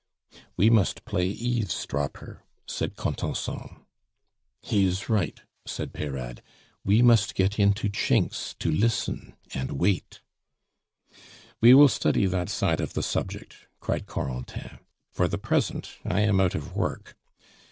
"We must play eavesdropper," said Contenson. "He is right," said Peyrade. "We must get into chinks to listen, and wait " "We will study that side of the subject," cried Corentin. "For the present, I am out of work.